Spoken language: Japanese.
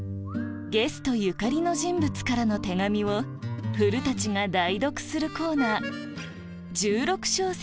ゲストゆかりの人物からの手紙を古が代読するコーナー